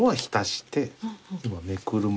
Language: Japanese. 今めくる前。